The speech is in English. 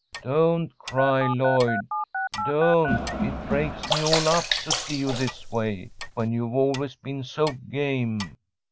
Don't cry, Lloyd. Don't! It breaks me all up to see you this way, when you've always been so game."